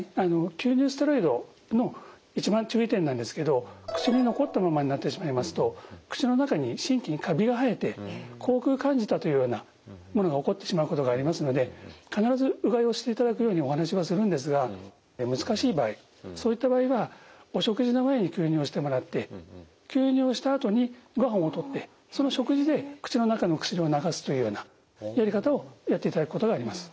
吸入ステロイドの一番注意点なんですけど薬残ったままになってしまいますと口の中に真菌カビが生えて口腔カンジダというようなものが起こってしまうことがありますので必ずうがいをしていただくようにお話はするんですが難しい場合そういった場合はお食事の前に吸入をしてもらって吸入をしたあとにごはんをとってその食事で口の中の薬を流すというようなやり方をやっていただくことがあります。